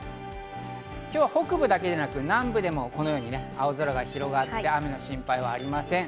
今日は北部だけでなく南部でもこのように青空が広がって雨の心配はありません。